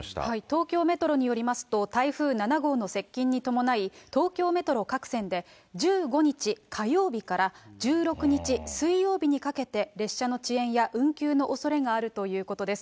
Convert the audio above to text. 東京メトロによりますと、台風７号の接近に伴い、東京メトロ各線で、１５日火曜日から１６日水曜日にかけて、列車の遅延や運休のおそれがあるということです。